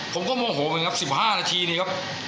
ผมก็โมโหเหมือนกันครับ๑๕นาทีนี้ครับ